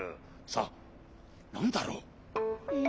さあなんだろう？